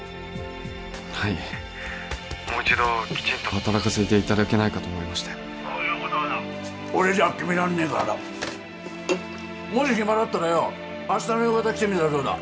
はいもう一度キチンと働かせていただけないかと思ってそういうことはな俺じゃ決めらんねえからさもしヒマだったらよ明日の夕方来てみたらどうだ？